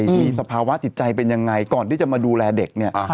มีสภาวะจิตใจเป็นยังไงก่อนที่จะมาดูแลเด็กเนี่ย